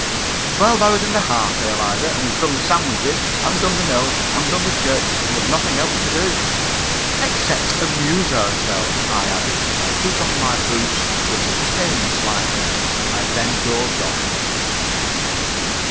"Twelve hours and a half," said Eliza. "And we've done the sandwiches, and done the milk, and done the church, and there's nothing else to do." "Except amuse ourselves," I added, as I took off my boots, which had pained me slightly. I then dozed off.